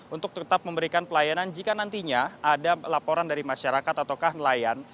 untuk tetap memberikan pelayanan jika nantinya ada laporan dari masyarakat ataukah nelayan